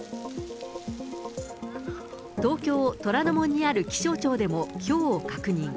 東京・虎ノ門にある気象庁でもひょうを確認。